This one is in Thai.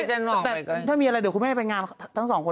ถ้าเรามีอะไรเดี๋ยวคุณไม่ได้ไปงานทั้งสองเลย